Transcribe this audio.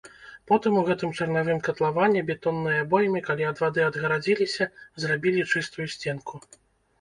Потым у гэтым чарнавым катлаване, бетоннай абойме, калі ад вады адгарадзіліся, зрабілі чыстую сценку.